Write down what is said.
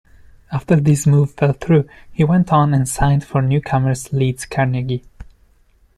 After this move fell through, he went on and signed for newcomers Leeds Carnegie.